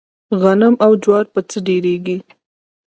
غنم او جوار په څۀ ډېريږي؟